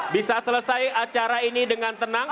bisa selesai acara ini dengan tenang